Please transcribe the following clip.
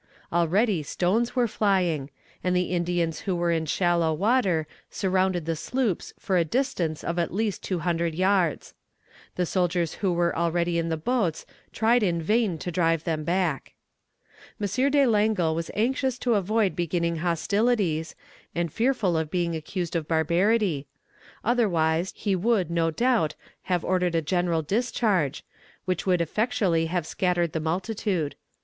Already stones were flying; and the Indians who were in shallow water surrounded the sloops for a distance of at least two hundred yards. The soldiers who were already in the boats tried in vain to drive them back. "M. de Langle was anxious to avoid beginning hostilities, and fearful of being accused of barbarity; otherwise he would, no doubt, have ordered a general discharge, which would effectually have scattered the multitude.